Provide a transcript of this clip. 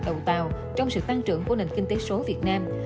đầu tàu trong sự tăng trưởng của nền kinh tế số việt nam